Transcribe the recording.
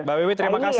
mbak bewi terima kasih